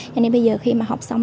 cho nên bây giờ khi mà học xong